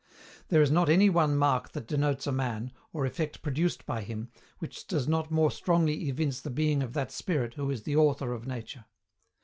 There is not any one mark that denotes a man, or effect produced by him, which does not more strongly evince the being of that Spirit who is the Author of Nature.